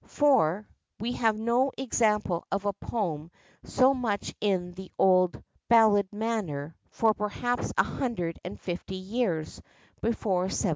(4) We have no example of a poem so much in the old ballad manner, for perhaps a hundred and fifty years before 1719.